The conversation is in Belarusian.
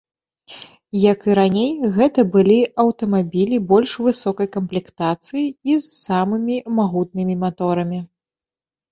Як і раней, гэта былі аўтамабілі больш высокай камплектацыі і з самымі магутнымі маторамі.